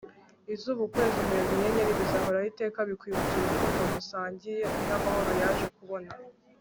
izuba, ukwezi, umuyaga, inyenyeri, bizahoraho iteka, bikwibutsa urukundo musangiye, n'amahoro yaje kubona